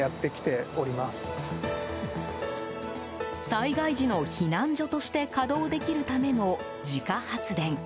災害時の避難所として稼働できるための自家発電。